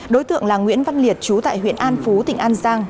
đối tượng là nguyễn văn liệt chú tại huyện an phú tỉnh an giang